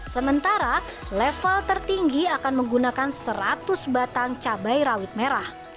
sementara level tertinggi akan menggunakan seratus batang cabai rawit merah